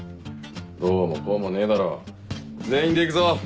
どうもこうもねえだろ全員で行くぞ。